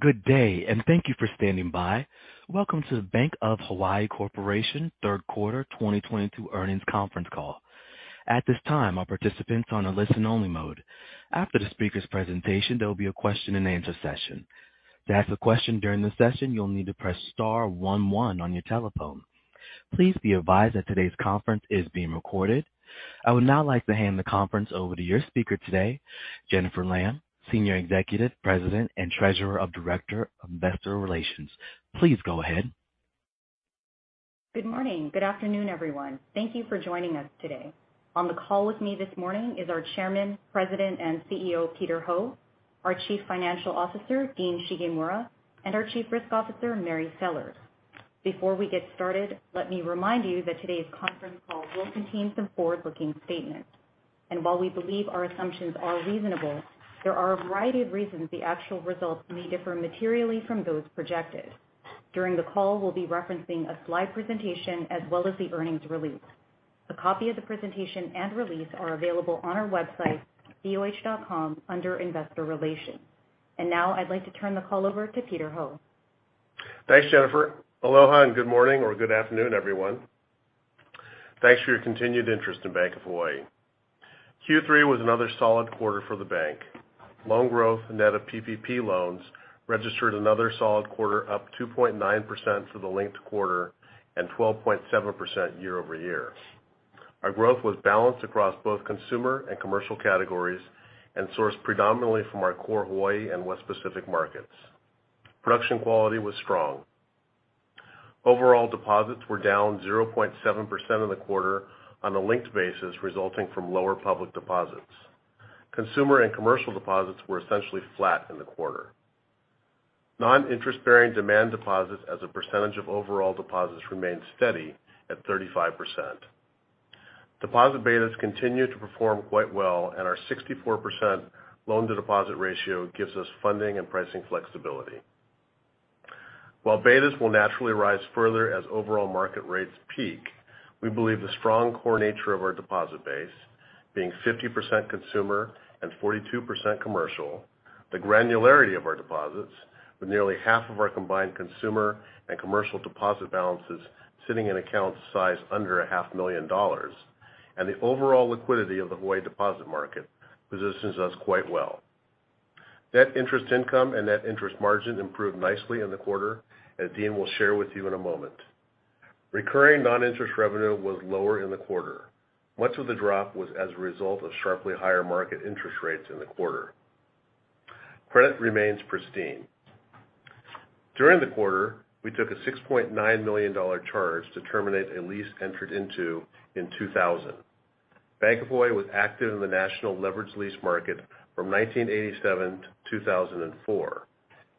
Good day, and thank you for standing by. Welcome to the Bank of Hawaii Corporation third quarter 2022 earnings conference call. At this time, all participants are on a listen only mode. After the speaker's presentation, there will be a question-and-answer session. To ask a question during the session, you'll need to press star one one on your telephone. Please be advised that today's conference is being recorded. I would now like to hand the conference over to your speaker today, Jennifer Lam, Senior Executive Vice President and Treasurer, Director of Investor Relations. Please go ahead. Good morning. Good afternoon, everyone. Thank you for joining us today. On the call with me this morning is our Chairman, President, and CEO, Peter Ho, our Chief Financial Officer, Dean Shigemura, and our Chief Risk Officer, Mary Sellers. Before we get started, let me remind you that today's conference call will contain some forward-looking statements. While we believe our assumptions are reasonable, there are a variety of reasons the actual results may differ materially from those projected. During the call, we'll be referencing a slide presentation as well as the earnings release. A copy of the presentation and release are available on our website, boh.com, under Investor Relations. Now I'd like to turn the call over to Peter Ho. Thanks, Jennifer. Aloha and good morning or good afternoon, everyone. Thanks for your continued interest in Bank of Hawaii. Q3 was another solid quarter for the bank. Loan growth net of PPP loans registered another solid quarter, up 2.9% for the linked quarter and 12.7% year-over-year. Our growth was balanced across both consumer and commercial categories and sourced predominantly from our core Hawaii and West Pacific markets. Production quality was strong. Overall deposits were down 0.7% in the quarter on a linked basis, resulting from lower public deposits. Consumer and commercial deposits were essentially flat in the quarter. Non-interest-bearing demand deposits as a percentage of overall deposits remained steady at 35%. Deposit betas continued to perform quite well, and our 64% loan-to-deposit ratio gives us funding and pricing flexibility. While betas will naturally rise further as overall market rates peak, we believe the strong core nature of our deposit base, being 50% consumer and 42% commercial, the granularity of our deposits, with nearly half of our combined consumer and commercial deposit balances sitting in accounts sized under a half million dollars, and the overall liquidity of the Hawaii deposit market positions us quite well. Net interest income and net interest margin improved nicely in the quarter, as Dean will share with you in a moment. Recurring non-interest revenue was lower in the quarter. Much of the drop was as a result of sharply higher market interest rates in the quarter. Credit remains pristine. During the quarter, we took a $6.9 million charge to terminate a lease entered into in 2000. Bank of Hawaii was active in the national leveraged lease market from 1987 to 2004.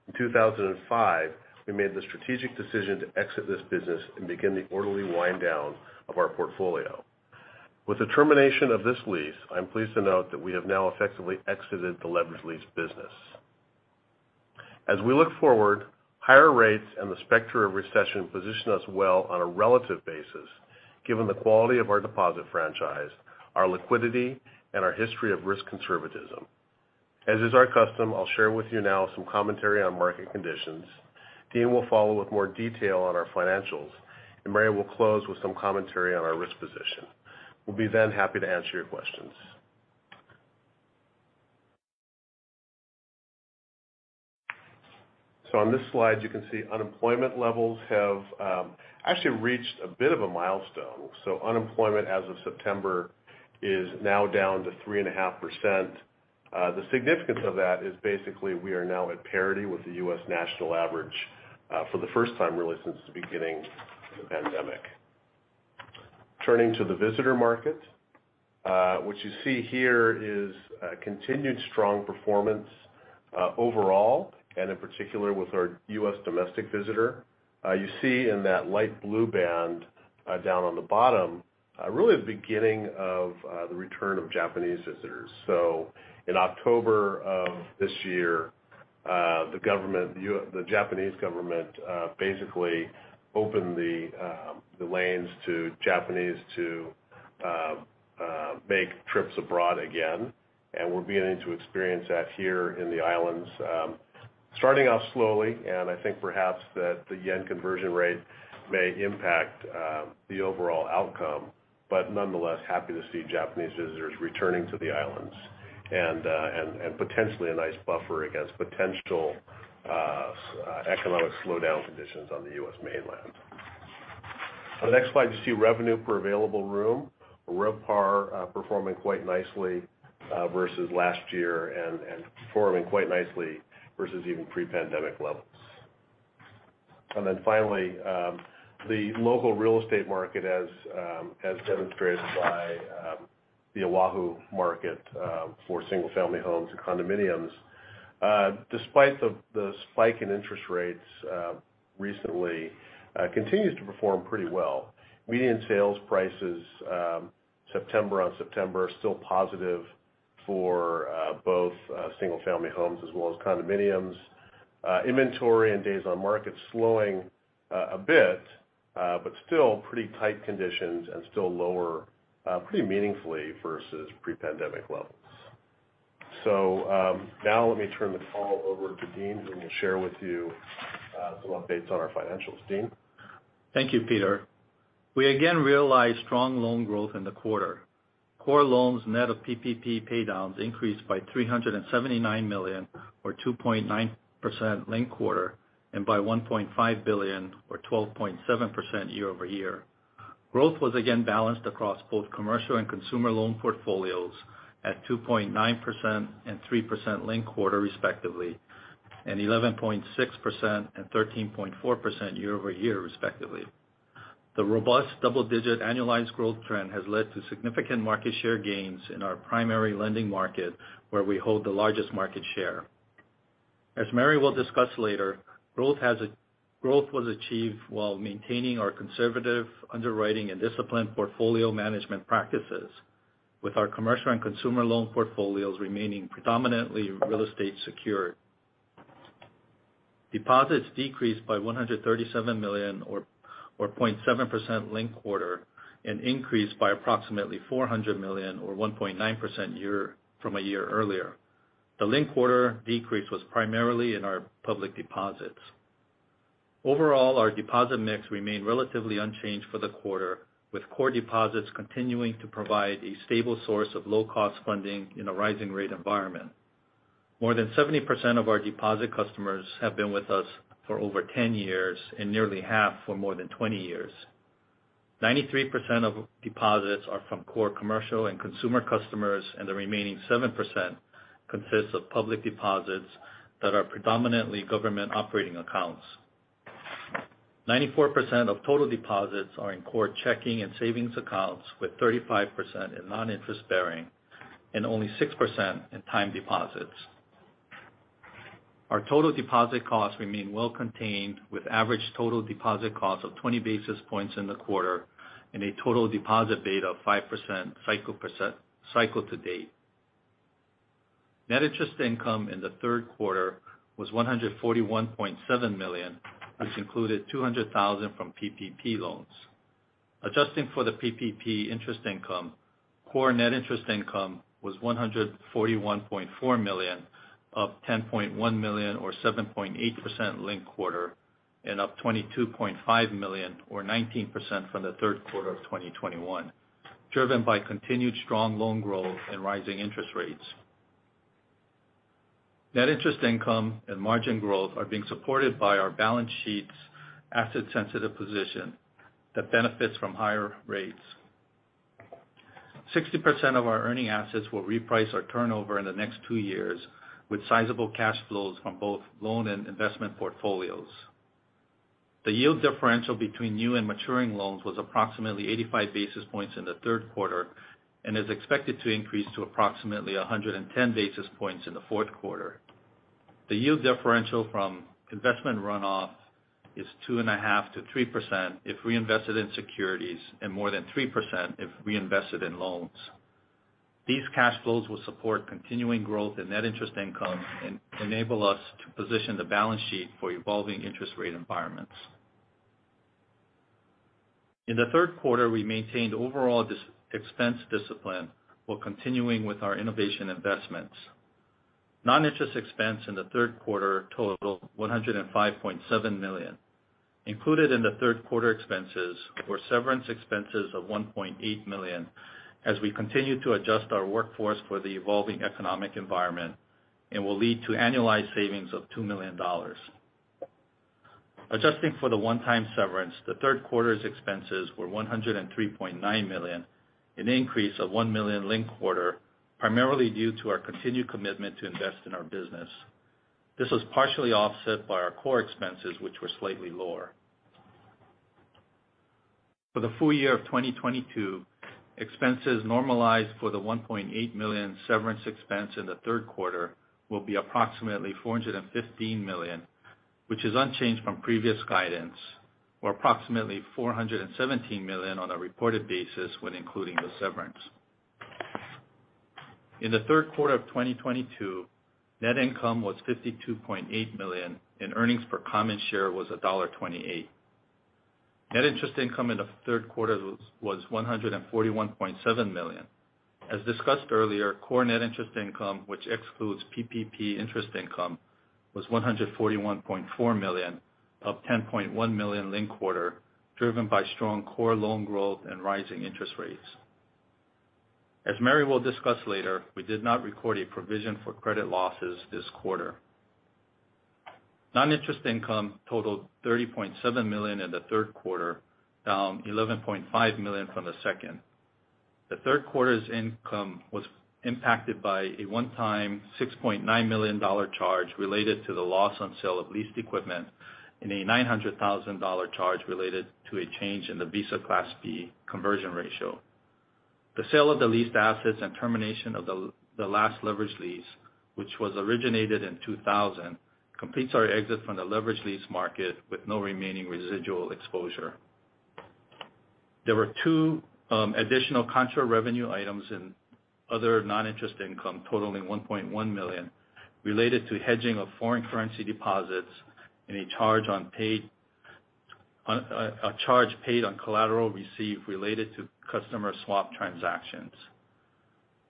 In 2005, we made the strategic decision to exit this business and begin the orderly wind down of our portfolio. With the termination of this lease, I'm pleased to note that we have now effectively exited the leveraged lease business. As we look forward, higher rates and the specter of recession position us well on a relative basis, given the quality of our deposit franchise, our liquidity, and our history of risk conservatism. As is our custom, I'll share with you now some commentary on market conditions. Dean will follow with more detail on our financials, and Mary will close with some commentary on our risk position. We'll be then happy to answer your questions. On this slide, you can see unemployment levels have actually reached a bit of a milestone. Unemployment as of September is now down to 3.5%. The significance of that is basically we are now at parity with the U.S. national average for the first time, really, since the beginning of the pandemic. Turning to the visitor market, what you see here is continued strong performance overall and in particular with our U.S. domestic visitor. You see in that light blue band down on the bottom really the beginning of the return of Japanese visitors. In October of this year, the Japanese government basically opened the lanes to Japanese to make trips abroad again. We're beginning to experience that here in the islands, starting off slowly, and I think perhaps that the yen conversion rate may impact the overall outcome, but nonetheless, happy to see Japanese visitors returning to the islands and potentially a nice buffer against potential economic slowdown conditions on the US mainland. On the next slide, you see revenue per available room. RevPAR performing quite nicely versus last year and performing quite nicely versus even pre-pandemic levels. Finally, the local real estate market as demonstrated by the Oahu market for single-family homes and condominiums, despite the spike in interest rates recently, continues to perform pretty well. Median sales prices September on September are still positive for both single family homes as well as condominiums. Inventory and days on market slowing a bit, but still pretty tight conditions and still lower pretty meaningfully versus pre-pandemic levels. Now let me turn the call over to Dean, who will share with you some updates on our financials. Dean? Thank you, Peter. We again realized strong loan growth in the quarter. Core loans net of PPP paydowns increased by $379 million or 2.9% linked quarter, and by $1.5 billion or 12.7% year-over-year. Growth was again balanced across both commercial and consumer loan portfolios at 2.9% and 3% linked quarter respectively, and 11.6% and 13.4% year-over-year respectively. The robust double-digit annualized growth trend has led to significant market share gains in our primary lending market, where we hold the largest market share. As Mary will discuss later, growth was achieved while maintaining our conservative underwriting and disciplined portfolio management practices with our commercial and consumer loan portfolios remaining predominantly real estate secured. Deposits decreased by $137 million or 0.7% linked-quarter and increased by approximately $400 million or 1.9% year-over-year. The linked-quarter decrease was primarily in our public deposits. Overall, our deposit mix remained relatively unchanged for the quarter, with core deposits continuing to provide a stable source of low-cost funding in a rising rate environment. More than 70% of our deposit customers have been with us for over 10 years and nearly half for more than 20 years. 93% of deposits are from core commercial and consumer customers, and the remaining 7% consists of public deposits that are predominantly government operating accounts. 94% of total deposits are in core checking and savings accounts, with 35% in non-interest bearing and only 6% in time deposits. Our total deposit costs remain well contained with average total deposit costs of 20 basis points in the quarter and a total deposit beta of 5% cycle to date. Net interest income in the third quarter was $141.7 million, which included $200,000 from PPP loans. Adjusting for the PPP interest income, core net interest income was $141.4 million, up $10.1 million or 7.8% linked quarter, and up $22.5 million or 19% from the third quarter of 2021, driven by continued strong loan growth and rising interest rates. Net interest income and margin growth are being supported by our balance sheet's asset-sensitive position that benefits from higher rates. 60% of our earning assets will reprice or turnover in the next 2 years with sizable cash flows from both loan and investment portfolios. The yield differential between new and maturing loans was approximately 85 basis points in the third quarter and is expected to increase to approximately 110 basis points in the fourth quarter. The yield differential from investment runoff is 2.5%-3% if reinvested in securities and more than 3% if reinvested in loans. These cash flows will support continuing growth in net interest income and enable us to position the balance sheet for evolving interest rate environments. In the third quarter, we maintained overall expense discipline while continuing with our innovation investments. Non-interest expense in the third quarter totaled $105.7 million. Included in the third quarter expenses were severance expenses of $1.8 million as we continue to adjust our workforce for the evolving economic environment and will lead to annualized savings of $2 million. Adjusting for the one-time severance, the third quarter's expenses were $103.9 million, an increase of $1 million linked quarter, primarily due to our continued commitment to invest in our business. This was partially offset by our core expenses, which were slightly lower. For the full year of 2022, expenses normalized for the $1.8 million severance expense in the third quarter will be approximately $415 million, which is unchanged from previous guidance, or approximately $417 million on a reported basis when including the severance. In the third quarter of 2022, net income was $52.8 million and earnings per common share was $1.28. Net interest income in the third quarter was $141.7 million. As discussed earlier, core net interest income, which excludes PPP interest income, was $141.4 million, up $10.1 million linked quarter, driven by strong core loan growth and rising interest rates. As Mary will discuss later, we did not record a provision for credit losses this quarter. Non-interest income totaled $30.7 million in the third quarter, down $11.5 million from the second. The third quarter's income was impacted by a one-time $6.9 million charge related to the loss on sale of leased equipment and a $900,000 charge related to a change in the Visa Class B conversion ratio. The sale of the leased assets and termination of the last leverage lease, which was originated in 2000, completes our exit from the leverage lease market with no remaining residual exposure. There were two additional contra revenue items in other non-interest income totaling $1.1 million related to hedging of foreign currency deposits and a charge paid on collateral received related to customer swap transactions.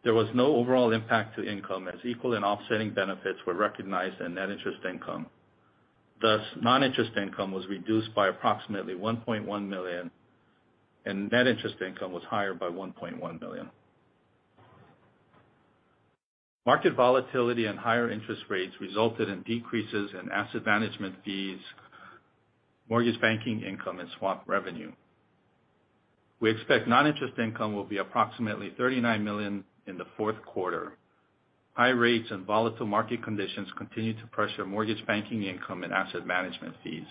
There was no overall impact to income as equal and offsetting benefits were recognized in net interest income. Thus, non-interest income was reduced by approximately $1.1 million, and net interest income was higher by $1.1 million. Market volatility and higher interest rates resulted in decreases in asset management fees, mortgage banking income and swap revenue. We expect non-interest income will be approximately $39 million in the fourth quarter. High rates and volatile market conditions continue to pressure mortgage banking income and asset management fees.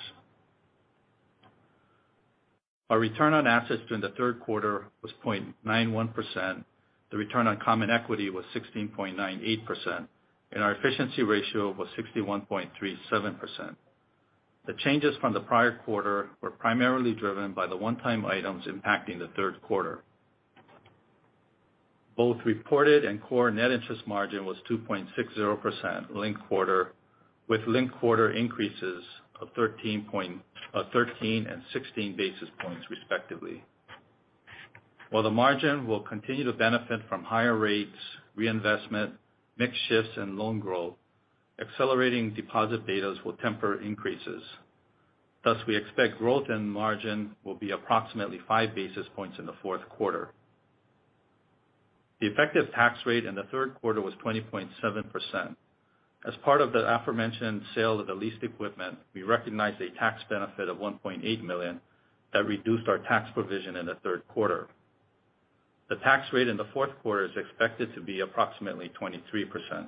Our return on assets during the third quarter was 0.91%. The return on common equity was 16.98%, and our efficiency ratio was 61.37%. The changes from the prior quarter were primarily driven by the one-time items impacting the third quarter. Both reported and core net interest margin was 2.60% linked quarter with linked quarter increases of thirteen and sixteen basis points respectively. While the margin will continue to benefit from higher rates, reinvestment, mix shifts and loan growth, accelerating deposit betas will temper increases. Thus, we expect growth in margin will be approximately 5 basis points in the fourth quarter. The effective tax rate in the third quarter was 20.7%. As part of the aforementioned sale of the leased equipment, we recognized a tax benefit of $1.8 million that reduced our tax provision in the third quarter. The tax rate in the fourth quarter is expected to be approximately 23%.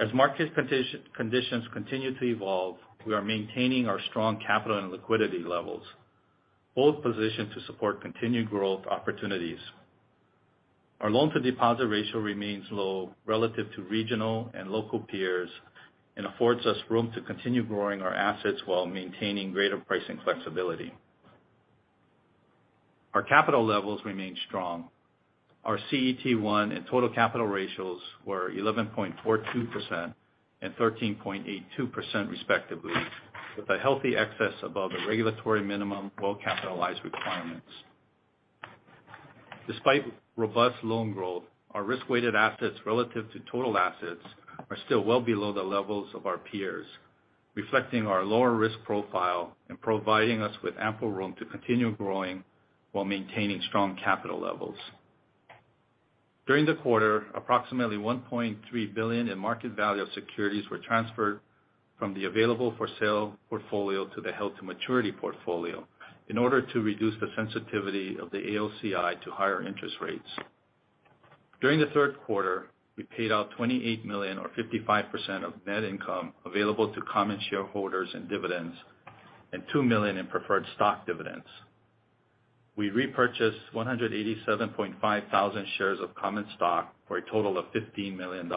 As market conditions continue to evolve, we are maintaining our strong capital and liquidity levels, both positioned to support continued growth opportunities. Our loan-to-deposit ratio remains low relative to regional and local peers and affords us room to continue growing our assets while maintaining greater pricing flexibility. Our capital levels remain strong. Our CET1 and total capital ratios were 11.42% and 13.82% respectively, with a healthy excess above the regulatory minimum well-capitalized requirements. Despite robust loan growth, our risk-weighted assets relative to total assets are still well below the levels of our peers, reflecting our lower risk profile and providing us with ample room to continue growing while maintaining strong capital levels. During the quarter, approximately $1.3 billion in market value of securities were transferred from the available for sale portfolio to the held to maturity portfolio in order to reduce the sensitivity of the AOCI to higher interest rates. During the third quarter, we paid out $28 million or 55% of net income available to common shareholders in dividends and $2 million in preferred stock dividends. We repurchased 187.5 thousand shares of common stock for a total of $15 million.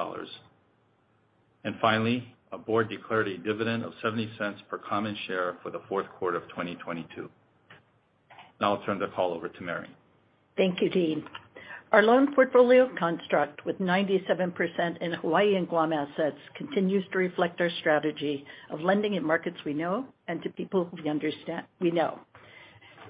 Finally, our board declared a dividend of $0.70 per common share for the fourth quarter of 2022. Now I'll turn the call over to Mary. Thank you, Dean. Our loan portfolio construct with 97% in Hawaii and Guam assets continues to reflect our strategy of lending in markets we know and to people who we know.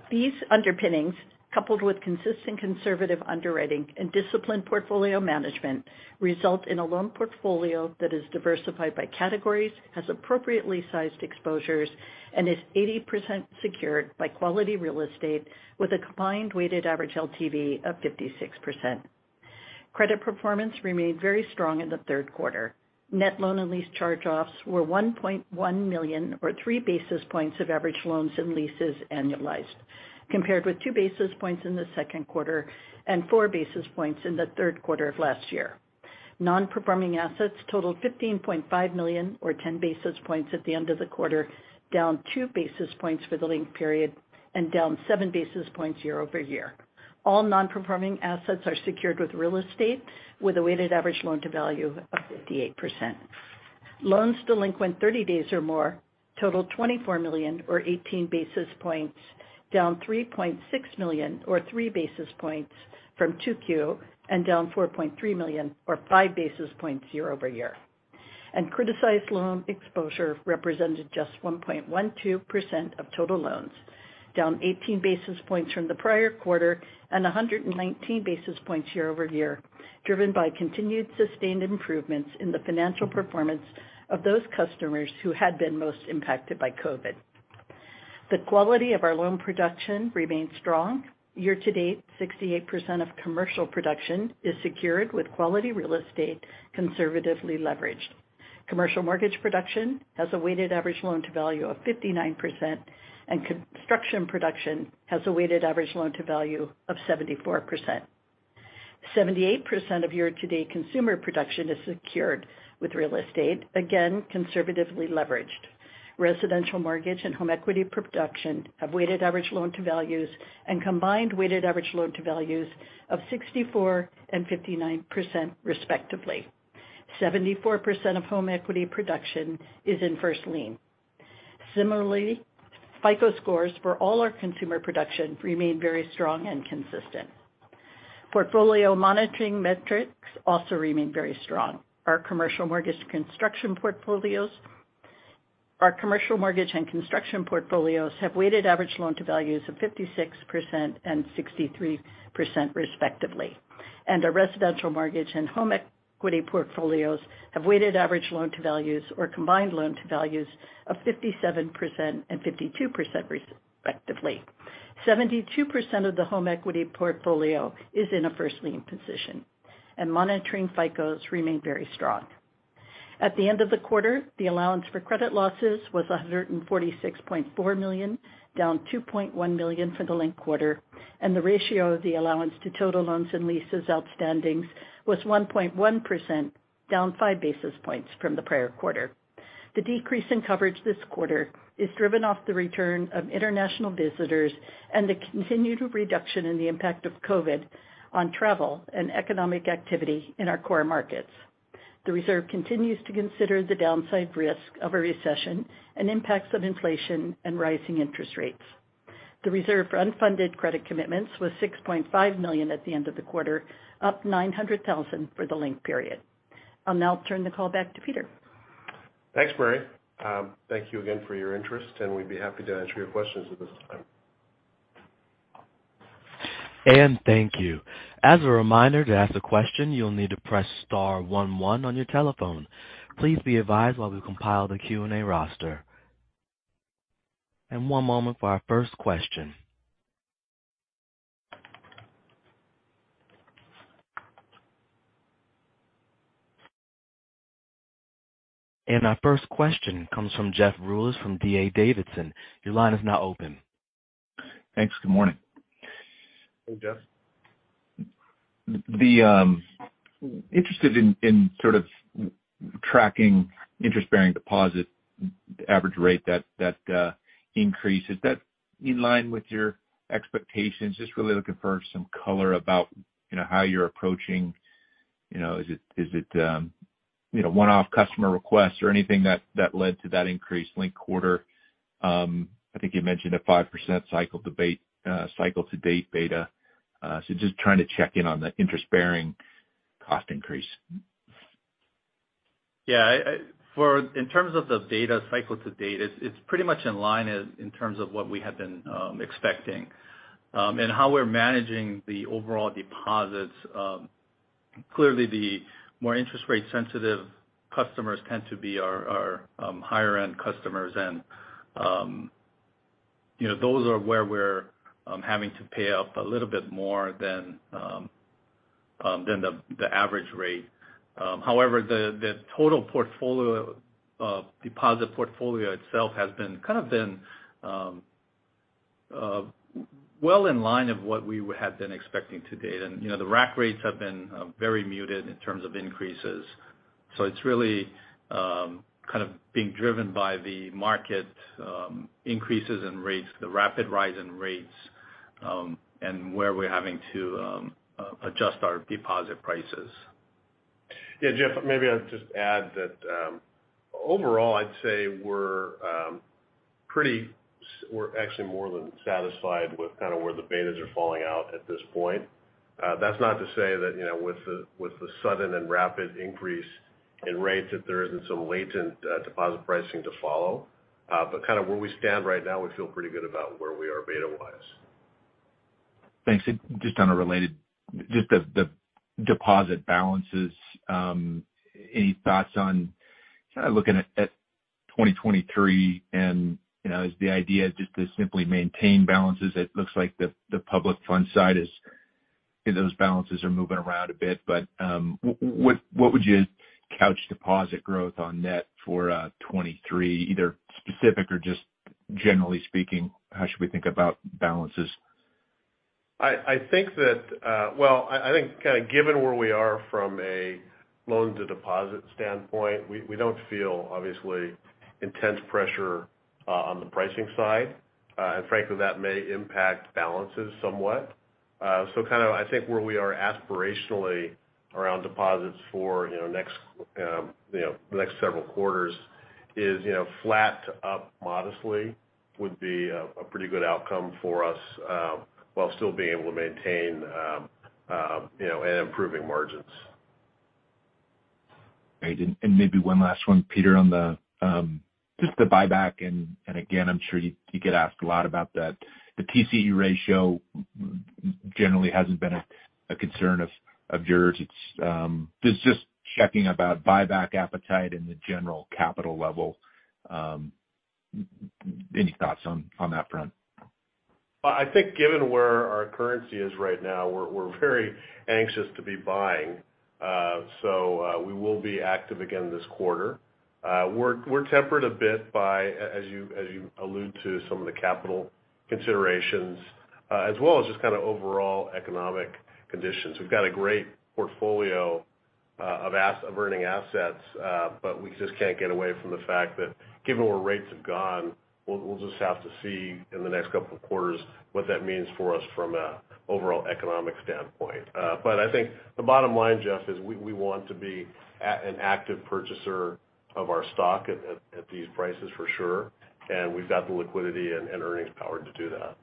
These underpinnings, coupled with consistent conservative underwriting and disciplined portfolio management, result in a loan portfolio that is diversified by categories, has appropriately sized exposures, and is 80% secured by quality real estate with a combined weighted average LTV of 56%. Credit performance remained very strong in the third quarter. Net loan and lease charge-offs were $1.1 million or 3 basis points of average loans and leases annualized, compared with 2 basis points in the second quarter and 4 basis points in the third quarter of last year. Non-performing assets totaled $15.5 million or 10 basis points at the end of the quarter, down 2 basis points for the linked period and down 7 basis points year-over-year. All non-performing assets are secured with real estate, with a weighted average loan to value of 58%. Loans delinquent 30 days or more totaled $24 million or 18 basis points, down $3.6 million or 3 basis points from 2Q and down $4.3 million or 5 basis points year-over-year. Criticized loan exposure represented just 1.12% of total loans, down 18 basis points from the prior quarter and 119 basis points year-over-year, driven by continued sustained improvements in the financial performance of those customers who had been most impacted by COVID. The quality of our loan production remains strong. Year-to-date, 68% of commercial production is secured with quality real estate conservatively leveraged. Commercial mortgage production has a weighted average loan-to-value of 59%, and construction production has a weighted average loan-to-value of 74%. 78% of year-to-date consumer production is secured with real estate, again conservatively leveraged. Residential mortgage and home equity production have weighted average loan-to-values and combined weighted average loan-to-values of 64% and 59% respectively. 74% of home equity production is in first lien. Similarly, FICO scores for all our consumer production remain very strong and consistent. Portfolio monitoring metrics also remain very strong. Our commercial mortgage and construction portfolios have weighted average loan-to-values of 56% and 63% respectively. Our residential mortgage and home equity portfolios have weighted average loan to values or combined loan to values of 57% and 52% respectively. Seventy-two percent of the home equity portfolio is in a first lien position, and monitoring FICOs remain very strong. At the end of the quarter, the allowance for credit losses was $146.4 million, down $2.1 million for the linked quarter, and the ratio of the allowance to total loans and leases outstandings was 1.1%, down 5 basis points from the prior quarter. The decrease in coverage this quarter is driven by the return of international visitors and the continued reduction in the impact of COVID on travel and economic activity in our core markets. The reserve continues to consider the downside risk of a recession and impacts of inflation and rising interest rates. The reserve for unfunded credit commitments was $6.5 million at the end of the quarter, up $900,000 for the linked period. I'll now turn the call back to Peter. Thanks, Mary. Thank you again for your interest, and we'd be happy to answer your questions at this time. Thank you. As a reminder to ask a question, you'll need to press star one one on your telephone. Please be advised while we compile the Q&A roster. One moment for our first question. Our first question comes from Jeff Rulis from D.A. Davidson. Your line is now open. Thanks. Good morning. Hey, Jeff. I'm interested in sort of tracking interest-bearing deposit average rate increase. Is that in line with your expectations? Just really looking for some color about, you know, how you're approaching, you know, is it one-off customer requests or anything that led to that increased linked quarter? I think you mentioned a 5% cycle-to-date beta. Just trying to check in on the interest-bearing cost increase. Yeah, in terms of the data cycle to date, it's pretty much in line in terms of what we had been expecting. How we're managing the overall deposits, clearly the more interest rate sensitive customers tend to be our higher end customers. You know, those are where we're having to pay up a little bit more than the average rate. However, the total deposit portfolio itself has been kind of well in line with what we had been expecting to date. You know, the rack rates have been very muted in terms of increases. It's really kind of being driven by the market increases in rates, the rapid rise in rates, and where we're having to adjust our deposit prices. Yeah, Jeff, maybe I'll just add that, overall, I'd say we're actually more than satisfied with kind of where the betas are falling out at this point. That's not to say that, you know, with the sudden and rapid increase in rates that there isn't some latent deposit pricing to follow. But kind of where we stand right now, we feel pretty good about where we are beta wise. Thanks. Just on a related, just the deposit balances, any thoughts on kind of looking at 2023 and, you know, is the idea just to simply maintain balances? It looks like the public fund side is those balances are moving around a bit, but what would you couch deposit growth on net for 2023, either specific or just generally speaking? How should we think about balances? I think that, well, I think kind of given where we are from a loan to deposit standpoint, we don't feel obviously intense pressure on the pricing side. Frankly, that may impact balances somewhat. Kind of I think where we are aspirationally around deposits for, you know, next, you know, the next several quarters is, you know, flat to up modestly would be a pretty good outcome for us, while still being able to maintain, you know, and improving margins. Great. Maybe one last one, Peter, on just the buyback. Again, I'm sure you get asked a lot about that. The TCE ratio generally hasn't been a concern of yours. It's just checking about buyback appetite and the general capital level. Any thoughts on that front? I think given where our currency is right now, we're very anxious to be buying. We will be active again this quarter. We're tempered a bit by, as you allude to some of the capital considerations, as well as just kind of overall economic conditions. We've got a great portfolio of earning assets, but we just can't get away from the fact that given where rates have gone, we'll just have to see in the next couple of quarters what that means for us from an overall economic standpoint. I think the bottom line, Jeff, is we want to be an active purchaser of our stock at these prices for sure, and we've got the liquidity and earnings power to do that.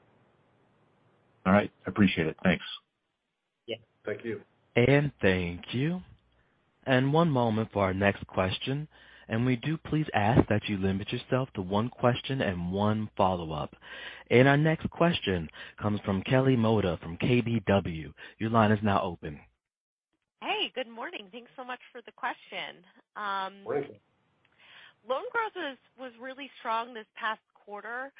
All right. I appreciate it. Thanks. Yeah. Thank you. Thank you. One moment for our next question, and we do please ask that you limit yourself to one question and one follow-up. Our next question comes from Kelly Motta from KBW. Your line is now open. Hey, good morning. Thanks so much for the question. Morning. Loan growth was really strong this past quarter.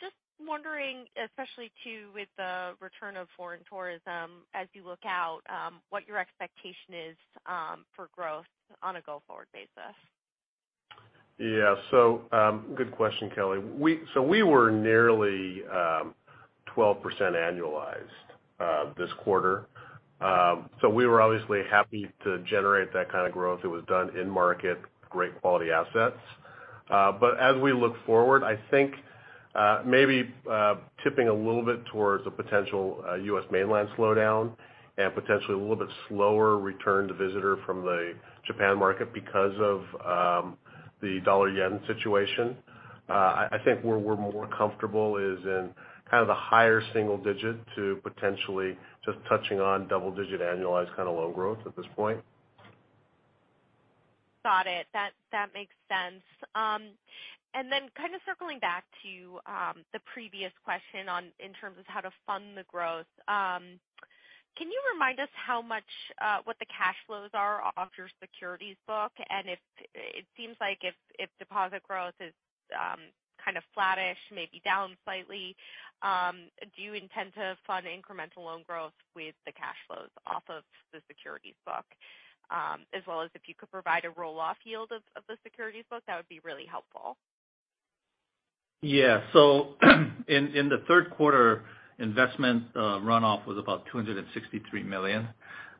Just wondering, especially too with the return of foreign tourism as you look out, what your expectation is for growth on a go-forward basis. Yeah. Good question, Kelly. We were nearly 12% annualized this quarter. We were obviously happy to generate that kind of growth. It was done in market, great quality assets. As we look forward, I think maybe tipping a little bit towards a potential U.S. mainland slowdown and potentially a little bit slower return of visitors from the Japan market because of the dollar-yen situation. I think where we're more comfortable is in kind of the higher single digit to potentially just touching on double digit annualized kind of loan growth at this point. Got it. That makes sense. Kind of circling back to the previous question on, in terms of how to fund the growth. Can you remind us how much what the cash flows are off your securities book? It seems like if deposit growth is kind of flattish, maybe down slightly, do you intend to fund incremental loan growth with the cash flows off of the securities book? As well as if you could provide a roll-off yield of the securities book, that would be really helpful. Yeah. In the third quarter, investment runoff was about $263 million.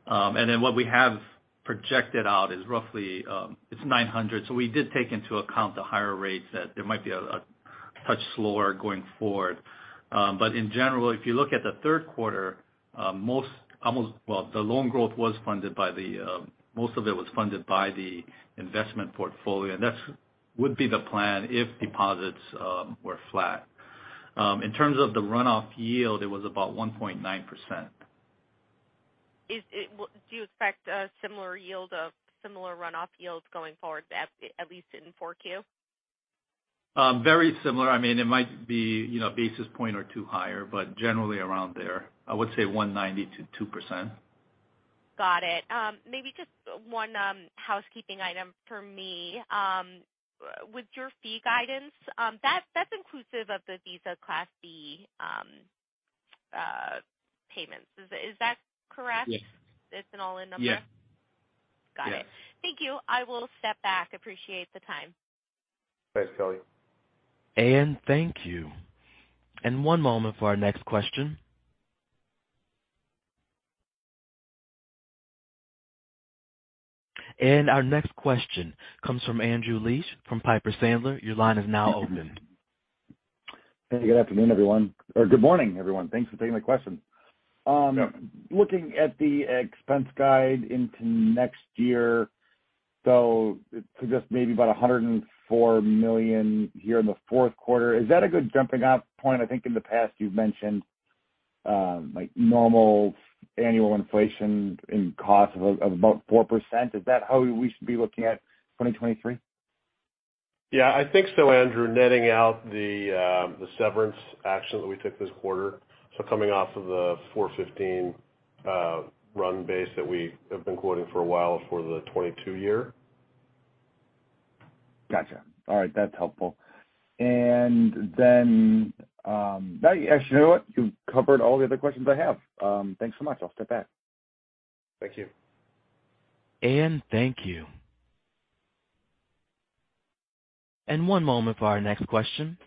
What we have projected out is roughly $900. We did take into account the higher rates that there might be a touch slower going forward. In general, if you look at the third quarter, most of it was funded by the investment portfolio, and that would be the plan if deposits were flat. In terms of the runoff yield, it was about 1.9%. Do you expect a similar yield of similar runoff yields going forward at least in 4Q? Very similar. It might be a basis point or two higher, but generally around there. I would say 1.90%-2%. Got it. Maybe just one housekeeping item for me. With your fee guidance, that's inclusive of the Visa Class B payments. Is that correct? Yes. It's an all-in number? Yes. Got it. Yeah. Thank you. I will step back. Appreciate the time. Thanks, Kelly. Thank you. One moment for our next question. Our next question comes from Andrew Liesch from Piper Sandler. Your line is now open. Hey, good afternoon, everyone. Or good morning, everyone. Thanks for taking my question. Yeah. Looking at the expense guide into next year, so to just maybe about $104 million here in the fourth quarter, is that a good jumping off point? I think in the past you've mentioned, like normal annual inflation in cost of about 4%. Is that how we should be looking at 2023? Yeah, I think so, Andrew. Netting out the severance action that we took this quarter, so coming off of the 415 run-rate base that we have been quoting for a while for the 2022 year. Gotcha. All right. That's helpful. Actually, you know what? You've covered all the other questions I have. Thanks so much. I'll step back. Thank you. Thank you. One moment for our next question.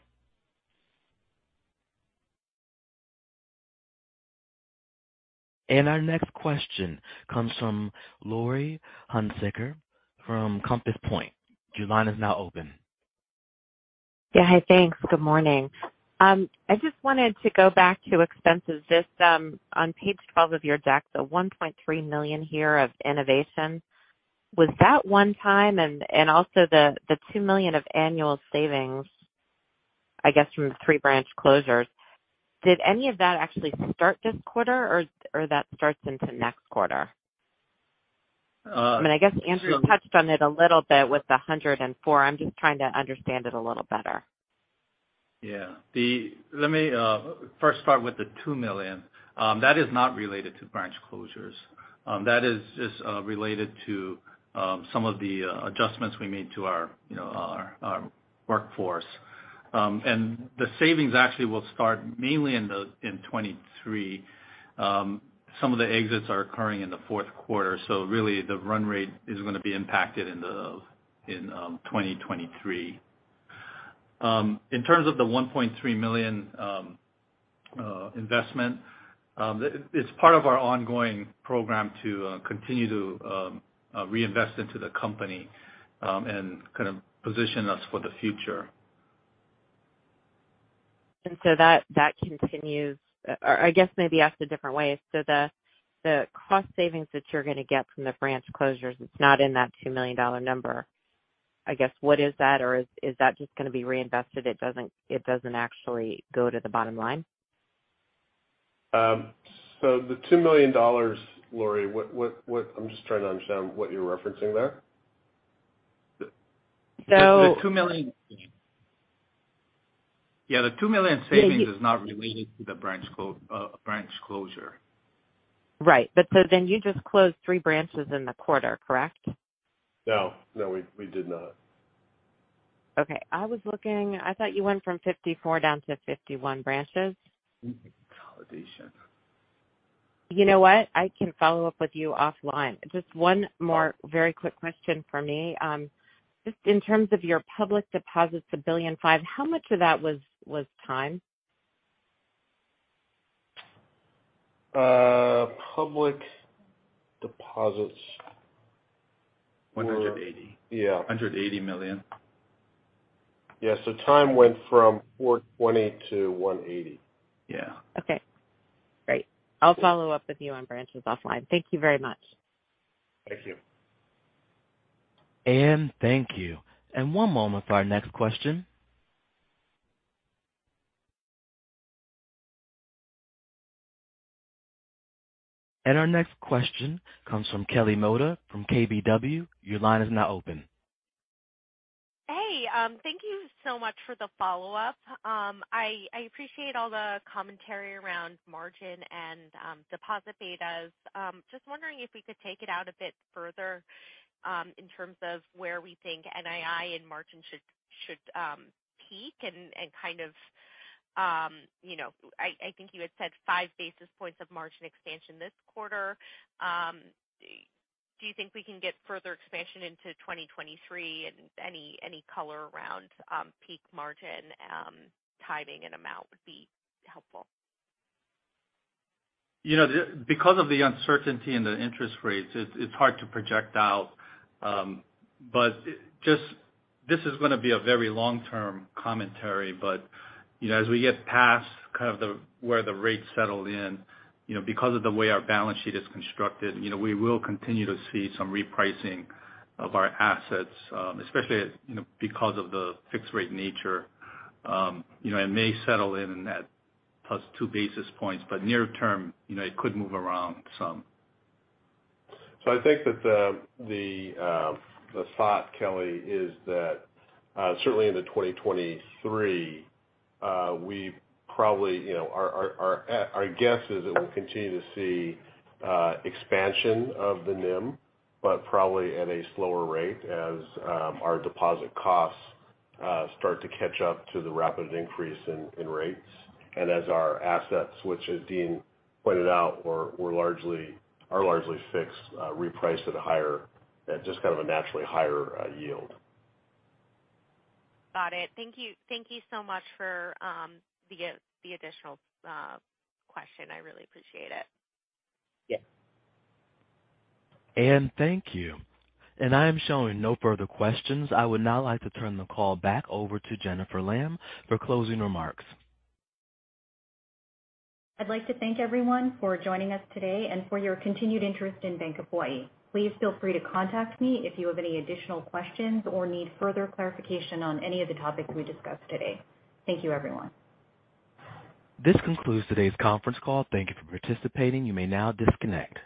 Our next question comes from Laurie Hunsicker from Compass Point. Your line is now open. Yeah. Hi. Thanks. Good morning. I just wanted to go back to expenses. Just on page 12 of your deck, the $1.3 million here of innovation. Was that one time? And also the $2 million of annual savings, I guess, from 3 branch closures, did any of that actually start this quarter or that starts into next quarter? Uh- I mean, I guess Andrew touched on it a little bit with the 104. I'm just trying to understand it a little better. Yeah. Let me first start with the $2 million. That is not related to branch closures. That is just related to some of the adjustments we made to our, you know, our workforce. The savings actually will start mainly in 2023. Some of the exits are occurring in the fourth quarter, so really the run rate is gonna be impacted in 2023. In terms of the $1.3 million investment, it's part of our ongoing program to continue to reinvest into the company, and kind of position us for the future. That continues. I guess maybe asked a different way. The cost savings that you're gonna get from the branch closures, it's not in that $2 million number. What is that? Is that just gonna be reinvested? It doesn't actually go to the bottom line? The $2 million, Laurie, what? I'm just trying to understand what you're referencing there. So- Yeah, the $2 million savings is not related to the branch closure. Right. You just closed three branches in the quarter, correct? No, we did not. Okay, I was looking. I thought you went from 54 down to 51 branches. Consolidation. You know what? I can follow up with you offline. Just one more very quick question for me. Just in terms of your public deposits, $1.5 billion, how much of that was time? Public deposits were 180. Yeah. $180 million. Yeah. Time went from 420 to 180. Yeah. Okay. Great. I'll follow up with you on branches offline. Thank you very much. Thank you. Thank you. One moment for our next question. Our next question comes from Kelly Motta from KBW. Your line is now open. Hey. Thank you so much for the follow-up. I appreciate all the commentary around margin and deposit betas. Just wondering if we could take it out a bit further in terms of where we think NII and margin should peak and kind of you know. I think you had said five basis points of margin expansion this quarter. Do you think we can get further expansion into 2023? Any color around peak margin timing and amount would be helpful. You know, because of the uncertainty in the interest rates, it's hard to project out. This is gonna be a very long-term commentary, but you know, as we get past kind of where the rates settle in, you know, because of the way our balance sheet is constructed, you know, we will continue to see some repricing of our assets, especially, you know, because of the fixed rate nature. You know, it may settle in at plus 2 basis points, but near term, you know, it could move around some. I think that the thought, Kelly, is that certainly into 2023 we probably, you know, our guess is that we'll continue to see expansion of the NIM, but probably at a slower rate as our deposit costs start to catch up to the rapid increase in rates and as our assets, which as Dean pointed out, are largely fixed, reprice at a higher, just kind of a naturally higher yield. Got it. Thank you. Thank you so much for the additional question. I really appreciate it. Yeah. Thank you. I am showing no further questions. I would now like to turn the call back over to Jennifer Lam for closing remarks. I'd like to thank everyone for joining us today and for your continued interest in Bank of Hawaii. Please feel free to contact me if you have any additional questions or need further clarification on any of the topics we discussed today. Thank you, everyone. This concludes today's conference call. Thank you for participating. You may now disconnect.